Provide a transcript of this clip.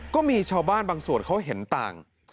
ก็มีชาวบ้านบางส่วนเขาเห็นต่าง